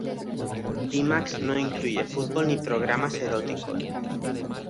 Dmax no incluye fútbol ni programas eróticos.